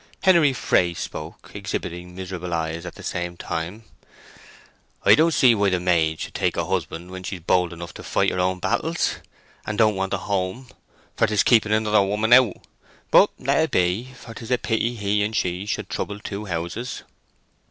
Henery Fray spoke, exhibiting miserable eyes at the same time: "I don't see why a maid should take a husband when she's bold enough to fight her own battles, and don't want a home; for 'tis keeping another woman out. But let it be, for 'tis a pity he and she should trouble two houses."